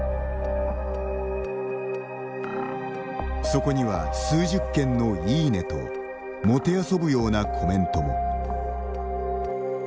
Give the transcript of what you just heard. そこには数十件の「いいね」ともてあそぶようなコメントも。